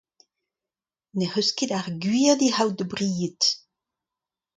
N’ec'h eus ket ar gwir d’he c'haout da bried.